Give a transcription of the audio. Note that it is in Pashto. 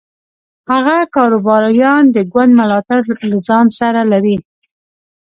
هغه کاروباریان د ګوند ملاتړ له ځان سره لري.